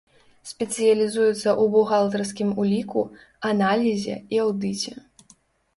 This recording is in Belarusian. Спецыялізуецца ў бухгалтарскім уліку, аналізе і аўдыце.